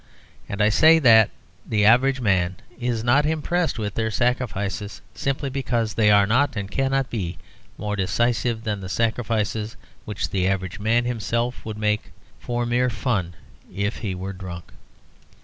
And I say that the average man is not impressed with their sacrifices simply because they are not and cannot be more decisive than the sacrifices which the average man himself would make for mere fun if he were drunk.